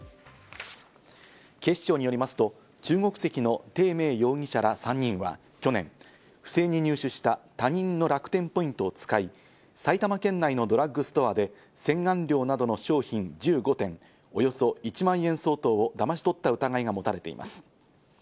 警視庁によりますと中国籍のテイ・メイ容疑者ら３人は去年、不正に入手した他人の楽天ポイントを使い、埼玉県内のドラッグストアで洗顔料などの商品１５点、およそ１万円相当をだまし取った疑いが持たれています。